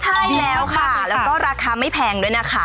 ใช่แล้วค่ะแล้วก็ราคาไม่แพงด้วยนะคะ